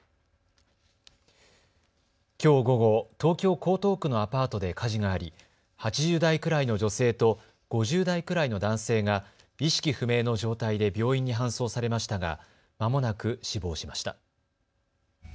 きょう午後、東京江東区のアパートで火事があり８０代くらいの女性と５０代くらいの男性が意識不明の状態で病院に搬送されましたがまもなく死亡しました。